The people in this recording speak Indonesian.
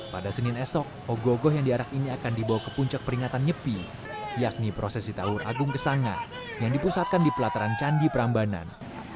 pada senin esok ogo ogoh yang diarak ini akan dibawa ke puncak peringatan nyepi yakni prosesi tawur agung kesanga yang dipusatkan di pelataran candi prambanan